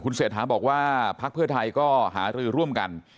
เศรษฐาบอกว่าพักเพื่อไทยก็หารือร่วมกัน